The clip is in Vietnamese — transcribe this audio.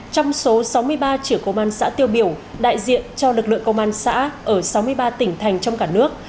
trong số sáu mươi ba trưởng công an xã tiêu biểu đại diện cho lực lượng công an xã ở sáu mươi ba tỉnh thành trong cả nước